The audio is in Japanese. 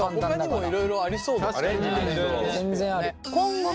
ほかにもいろいろありそうだよね。